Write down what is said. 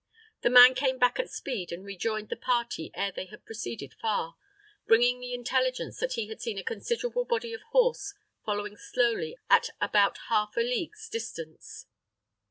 The man came back at speed; and rejoined the party ere they had proceeded far, bringing the intelligence that he had seen a considerable body of horse following slowly at about half a league's distance.